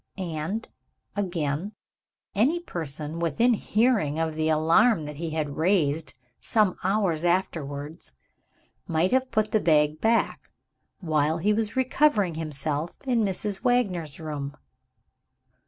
And, again, any person within hearing of the alarm that he had raised, some hours afterwards, might have put the bag back, while he was recovering himself in Mrs. Wagner's room.